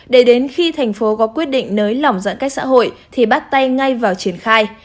để đến khi thành phố có quyết định nới lỏng giãn cách xã hội thì bắt tay ngay vào triển khai